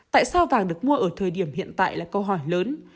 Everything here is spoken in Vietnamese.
tại sao vàng được mua ở thời điểm hiện tại là câu hỏi lớn